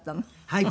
はい。